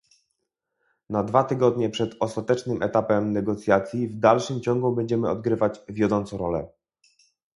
Na dwa tygodnie przed ostatecznym etapem negocjacji w dalszym ciągu będziemy odgrywać wiodącą rolę